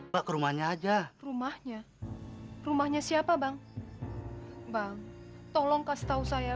sampai jumpa di video selanjutnya